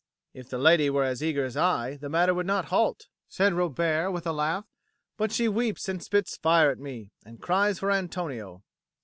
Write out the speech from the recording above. "If the lady were as eager as I, the matter would not halt," said Robert with a laugh. "But she weeps and spits fire at me, and cries for Antonio."